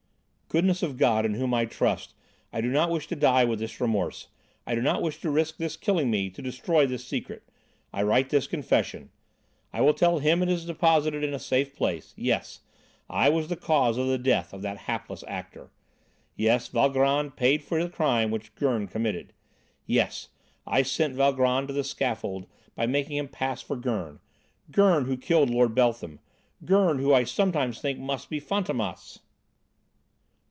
"Goodness of God in whom I trust I do not wish to die with this remorse I do not wish to risk his killing me to destroy this secret I write this confession, I will tell him it is deposited in a safe place yes, I was the cause of the death of that hapless actor! Yes, Valgrand paid for the crime which Gurn committed.... Yes, I sent Valgrand to the scaffold by making him pass for Gurn Gurn who killed Lord Beltham, Gurn, who I sometimes think must be Fantômas!"